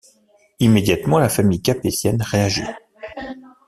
Immédiatement, la famille capétienne réagit.